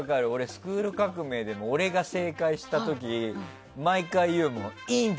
「スクール革命！」でも俺が正解した時毎回言うもん。